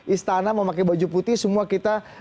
istana memakai baju putih semua kita